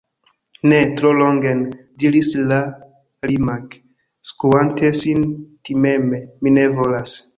"Ne! Tro longen!" diris la limak', skuante sin timeme,"Mi ne volas."